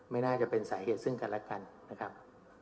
ไม่น่าจะเป็นสาเหตุซึ่งกันและกันนะครับ